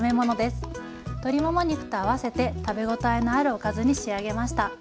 鶏もも肉と合わせて食べ応えのあるおかずに仕上げました。